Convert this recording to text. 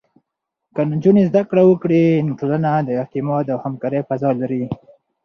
که نجونې زده کړه وکړي، نو ټولنه د اعتماد او همکارۍ فضا لري.